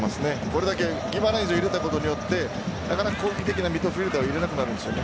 これだけギマランイスを入れたことによってなかなか攻撃的なミッドフィルダーを入れなくなるんですよね。